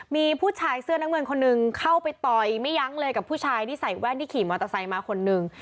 มีผู้ชายเสื้อน้ำเงินคนหนึ่งเข้าไปต่อยไม่ยั้งเลยกับผู้ชายที่ใส่แว่นที่ขี่มอเตอร์ไซค์มาคนนึง